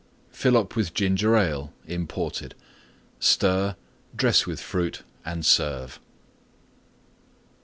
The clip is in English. Fill up with Ginger Ale (imported); stir; dress with Fruit and serve.